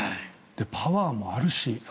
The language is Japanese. パワーもあるし。